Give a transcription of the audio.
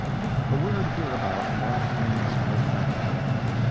A word hereabout Mark Twain's profanity.